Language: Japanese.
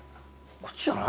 こっちじゃない？